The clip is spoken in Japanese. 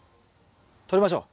とりましょう。